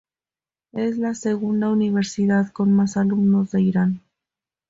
Es la segunda universidad con más alumnos de Irán.